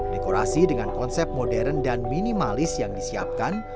dekorasi dengan konsep modern dan minimalis yang disiapkan